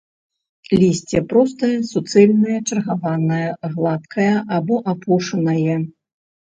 Лісце простае, суцэльнае, чаргаванае, гладкае або апушанае.